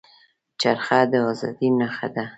چرخه د ازادۍ نښه شوه.